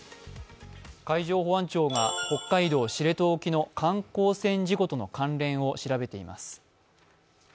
海上保安庁が北海道知床沖の観光船事故との関連性を調べています。